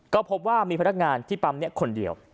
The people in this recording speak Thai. ก็พบว่ามีพนักงานที่ปั๊มนี้คนเดียว